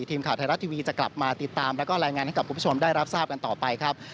ทีมข่าวไทยรัฐทีวีจะกลับมาติดตามแล้วก็รายงานให้กับคุณผู้ชมได้รับทราบกันต่อไปครับ